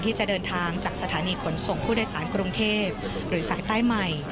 ที่จะเดินทางจากสถานีขนส่งผู้โดยสารกรุงเทพหรือสายใต้ใหม่